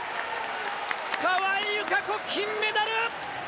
川井友香子、金メダル！